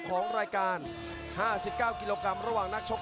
ประโยชน์ทอตอร์จานแสนชัยกับยานิลลาลีนี่ครับ